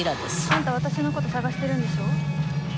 あんた私のこと捜してるんでしょ？